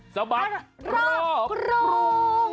สมัครรอบครอง